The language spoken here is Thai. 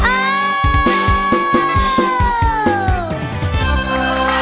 โอเค